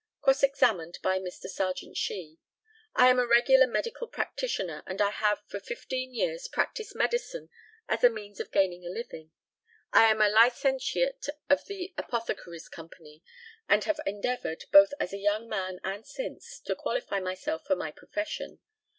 Cross examined by Mr. Serjeant SHEE: I am a regular medical practitioner, and have for 15 years practised medicine as a means of gaining a living. I am a licentiate of the Apothecaries Company, and have endeavoured, both as a young man and since, to qualify myself for my profession.